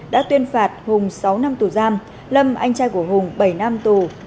đặt hùng sáu năm tù giam lâm anh trai của hùng bảy năm tù